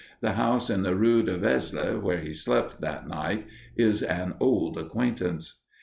The house in the rue de Vesle, where he slept that night, is an old acquaintance.